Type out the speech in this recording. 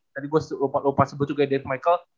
tadi gue lupa sebut juga michael